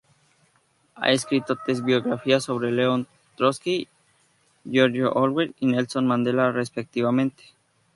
Ha escrito tres biografías, sobre León Trotsky, George Orwell y Nelson Mandela respectivamente.